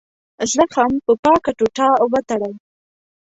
زخم په پاکه ټوټه وتړئ.